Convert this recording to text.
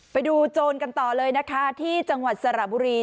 โจรกันต่อเลยนะคะที่จังหวัดสระบุรี